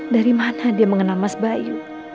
dari mata dia mengenal mas bayu